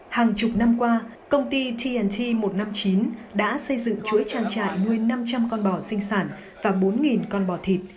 hàng chục năm qua công ty tnt một trăm năm mươi chín đã xây dựng chuỗi trang trại nuôi năm trăm linh con bò sinh sản và bốn con bò thịt